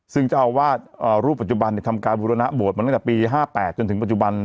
ซึ่งเจ้าอาวาสรูปปัจจุบันทำการบุรณะบวชมาตั้งแต่ปี๕๘จนถึงปัจจุบัน